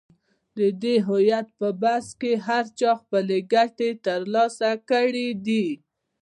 د دې هویت پر بحث کې هر چا خپلې ګټې تر لاسه کړې دي.